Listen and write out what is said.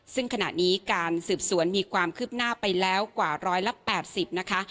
ซึ่งขณะนี้การสืบสวนมีความคืบหน้าไปแล้วกว่า๑๘๐นะคะ